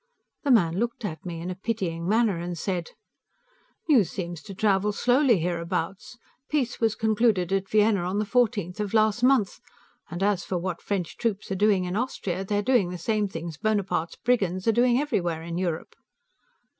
The man looked at me in a pitying manner, and said: "News seems to travel slowly, hereabouts; peace was concluded at Vienna on the 14th of last month. And as for what French troops are doing in Austria, they're doing the same things Bonaparte's brigands are doing everywhere in Europe."